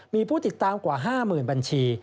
มีผู้ติดตามกว่า๕๐๐๐บัญชี